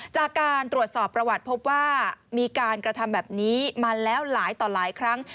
จากการตรวจสอบประวัติพบว่ามีการกระทำแบบนี้มาแล้วหลายต่อหลายครั้ง